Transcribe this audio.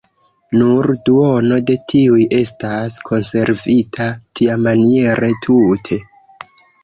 Nur duono de tiuj estas konservita tiamaniere tute.